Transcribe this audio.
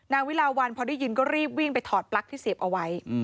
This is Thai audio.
วิลาวันพอได้ยินก็รีบวิ่งไปถอดปลั๊กที่เสียบเอาไว้